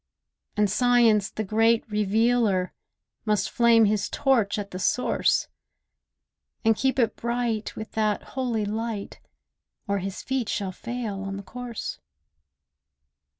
And Science, the great revealer, Must flame his torch at the Source; And keep it bright with that holy light, Or his feet shall fail on the course.